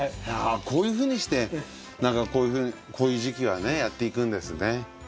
こういうふうにしてこういう時期はねやっていくんですね。